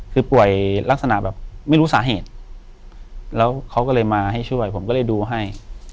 คือป่วยลักษณะแบบไม่รู้สาเหตุแล้วเขาก็เลยมาให้ช่วยผมก็เลยดูให้